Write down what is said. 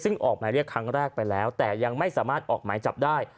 ซึ่งออกหมายเรียกครั้งแรกไปแล้วแต่ยังไม่สามารถออกหมายจับได้